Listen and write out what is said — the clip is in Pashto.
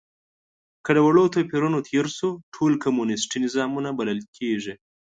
که له وړو توپیرونو تېر شو، ټول کمونیستي نظامونه بلل کېږي.